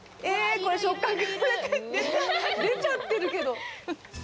これ触角、出ちゃってるけど。